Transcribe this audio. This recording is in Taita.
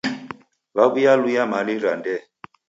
W'aw'ialuya mali ra ndee.